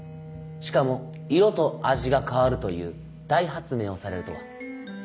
しかも色と味が変わるという大発明をされるとは。